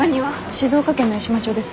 静岡県の八島町です。